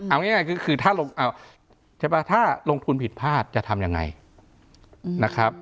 เอาง่ายก็คือถ้าลงทุนผิดพลาดจะทำยังไงนะครับ